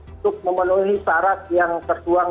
untuk memenuhi syarat yang tertuang